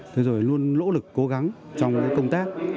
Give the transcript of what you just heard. thế rồi luôn lỗ lực cố gắng trong công tác